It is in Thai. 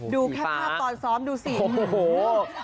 ดูแค่ภาพตอนซ้อมดูสีเหลือง